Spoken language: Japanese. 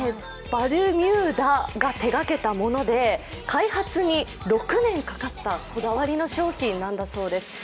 バルミューダが手がけたもので、開発に６年かかったこだわりの商品なんだそうです。